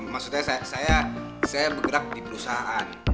maksudnya saya bergerak di perusahaan